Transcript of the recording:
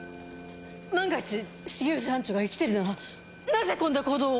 万が一重藤班長が生きてるならなぜこんな行動を。